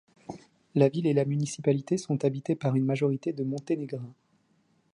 La ville et la municipalité sont habitées par une majorité de Monténégrins.